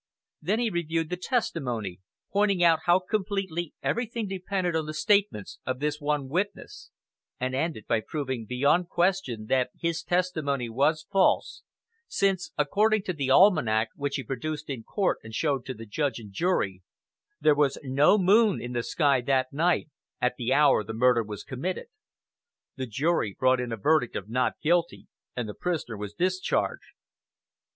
Then he reviewed the testimony, pointing out how completely everything depended on the statements of this one witness; and ended by proving beyond question that his testimony was false, since, according to the almanac, which he produced in court and showed to judge and jury, THERE WAS NO MOON IN THE SKY THAT NIGHT at the hour the murder was committed. The jury brought in a verdict of "Not guilty," and the prisoner was discharged.